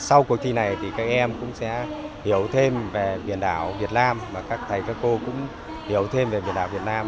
sau cuộc thi này thì các em cũng sẽ hiểu thêm về biển đảo việt nam và các thầy các cô cũng hiểu thêm về biển đảo việt nam